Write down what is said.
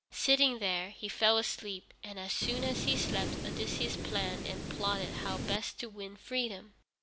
Sitting there, he fell asleep, and, as soon as he slept, Odysseus planned and plotted how best to win freedom.